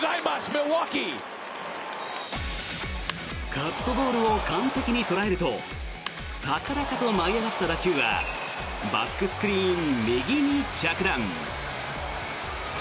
カットボールを完璧に捉えると高々と舞い上がった打球はバックスクリーン右に着弾。